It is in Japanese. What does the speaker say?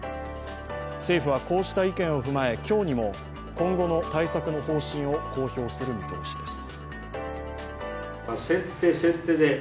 政府はこうした意見を踏まえ今日にも、今後の対策の方針を公表する見通しです。